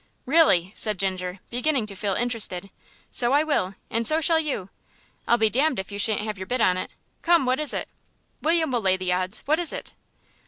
"Really!" said Ginger, beginning to feel interested, "so I will, and so shall you. I'm damned if you shan't have your bit on. Come, what is it? William will lay the odds. What is it?"